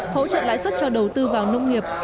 hỗ trợ lãi suất cho đầu tư vào nông nghiệp